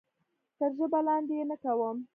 تر ژبه لاندې یې نه کوم.